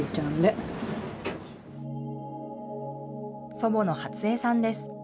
祖母のハツヱさんです。